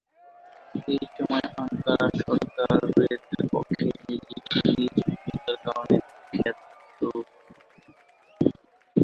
এসময় আঙ্কারা সরকারের পক্ষে নিজ ভূমিকার কারণে তিনি খ্যাত হয়ে উঠেন।